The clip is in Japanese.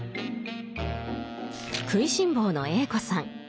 食いしん坊のＡ子さん